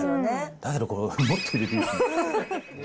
だけどこれ、もっと入れていいですね。